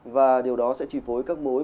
và điều đó sẽ trì phối các mối